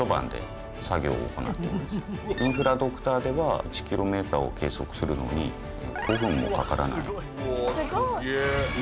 インフラドクターでは１ｋｍを計測するのに５分もかからない。